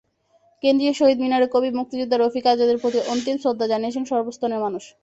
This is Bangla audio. কেন্দ্রীয় শহীদ মিনারে কবি, মুক্তিযোদ্ধা রফিক আজাদের প্রতি অন্তিম শ্রদ্ধা জানিয়েছেন সর্বস্তরের মানুষ।